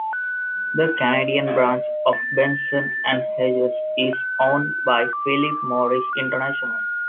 The Canadian branch of Benson and Hedges is owned by Philip Morris International.